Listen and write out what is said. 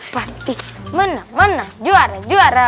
pasti menang menang juara nih juara